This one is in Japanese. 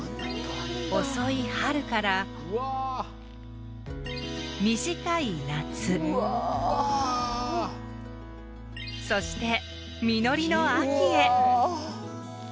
遅い春から短い夏そして実りの秋へ。